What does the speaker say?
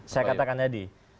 saya katakan tadi